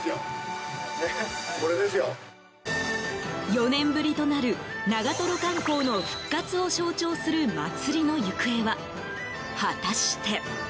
４年ぶりとなる長瀞観光の復活を象徴する祭りの行方は、果たして。